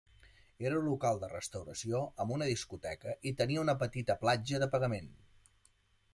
Era un local de restauració amb una discoteca i tenia una petita platja de pagament.